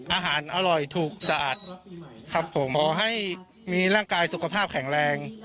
อาหารอร่อยถูกสะอาดครับผมขอให้มีร่างกายสุขภาพแข็งแรง